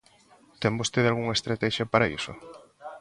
¿Ten vostede algunha estratexia para iso?